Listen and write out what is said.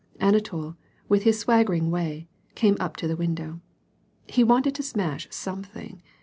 Anatol, with his swaggering way, came up to the window. He wanted to smash something.